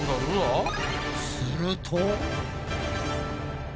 すると。